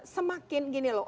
semakin gini loh